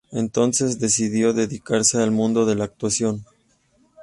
Entonces decidió dedicarse al mundo de la actuación.